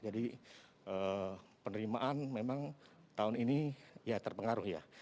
jadi penerimaan memang tahun ini ya terpengaruh ya